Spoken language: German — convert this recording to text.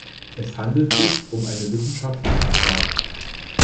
Es handelt sich um eine wissenschaftliche Frage.